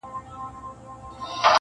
مطلب پوره سو د يارۍ خبره ورانه سوله-